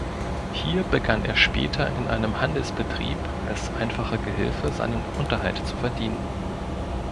Hier begann er später in einem Handelsbetrieb als einfacher Gehilfe seinen Unterhalt zu verdienen.